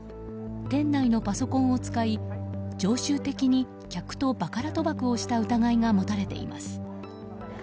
店内のパソコンを使い、常習的に客とバカラ賭博をした疑いが持たれています。